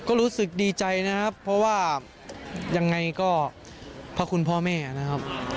ก็รู้สึกดีใจนะครับเพราะว่ายังไงก็พระคุณพ่อแม่นะครับ